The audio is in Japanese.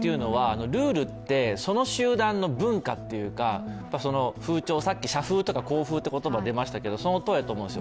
ルールってその集団の文化というか風潮、さっき社風とか校風という言葉が出ましたけれども、そのとおりだと思うんですよ。